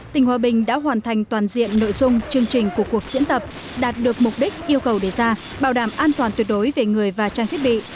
tỉnh hòa bình đã hoàn thành toàn diện nội dung chương trình của cuộc diễn tập đạt được mục đích yêu cầu đề ra bảo đảm an toàn tuyệt đối về người và trang thiết bị